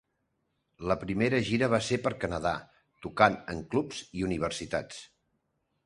La primera gira va ser per Canada, tocant en clubs i universitats.